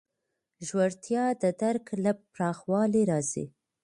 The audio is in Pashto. ژورتیا د درک له پراخوالي راځي.